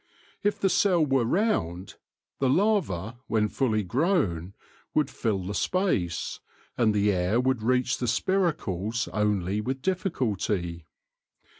If the cell were round, the larva, when fairly grown, would fill the space, and the air would reach the spiracles only with difficulty.